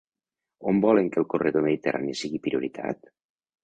On volen que el corredor mediterrani sigui prioritat?